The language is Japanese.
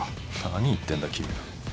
何言ってんだ君は。